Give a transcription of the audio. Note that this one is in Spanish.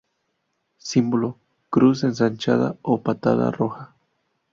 Símbolo: Cruz ensanchada o patada roja.